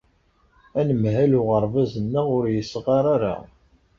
Anemhal uɣerbaz-nneɣ ur yesɣar ara.